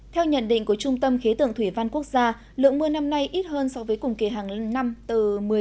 theo nhận định của trung tâm khí tượng thủy văn quốc gia lượng mưa năm nay ít hơn so với cùng kỳ hàng năm từ một mươi năm mươi